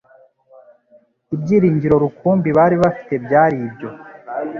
ibyiringiro rukumbi bari bafite byari ibyo.